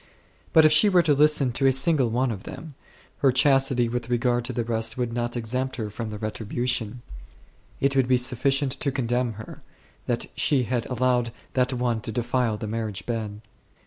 But if she were to listen to a single one of them, her chastity with regard to the rest would not exempt her from the retribu tion ; it would be sufficient to condemn her, that she had allowed that one to defile the marriage bed.